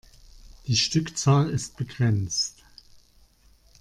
Die Stückzahl ist begrenzt.